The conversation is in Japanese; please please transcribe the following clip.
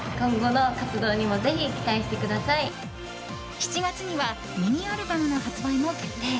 ７月にはミニアルバムの発売も決定。